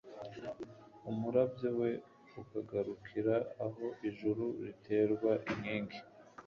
umurabyo we ukagarukira aho ijuru riterwa inkingi